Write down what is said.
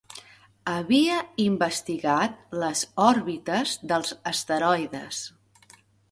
Havia investigat les òrbites dels asteroides.